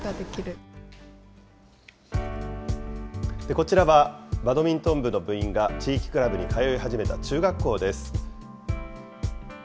こちらはバドミントン部の部員が地域クラブに通い始めた中学校です。